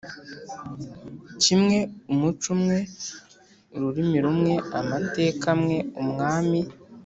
kimwe umuco umwe ururimi rumwe amateka amwe umwami